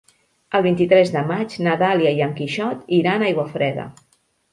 El vint-i-tres de maig na Dàlia i en Quixot iran a Aiguafreda.